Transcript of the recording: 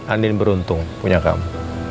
andien beruntung punya kamu